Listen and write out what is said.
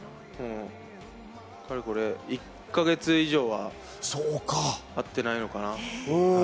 かれこれ１か月以上は会っていないのかな。